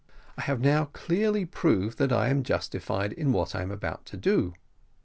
I have now clearly proved that I am justified in what I am about to do.